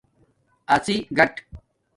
اڎݵ گاٹ